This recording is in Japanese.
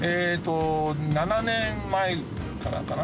７年前からかな。